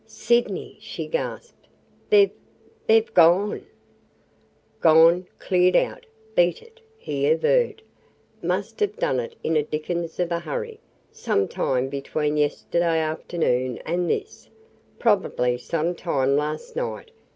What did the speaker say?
"Sydney!" she gasped, "they 've – they 've gone!" "Gone – cleared out – beat it!" he averred. "Must have done it in a dickens of a hurry – some time between yesterday afternoon and this. Probably some time last night.